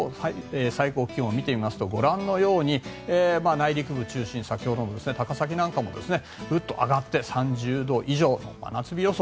最高気温を見てみますとご覧のように内陸部を中心に先ほどの高崎なんかもグッと上がって３０度以上の真夏日予想。